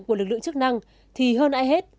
của lực lượng chức năng thì hơn ai hết